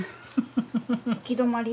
行き止まり？